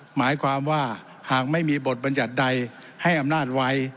หมายความว่าหากไม่มีบทบัญญัติใดให้อำนาจไว้